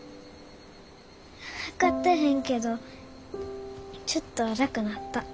測ってへんけどちょっと楽なった。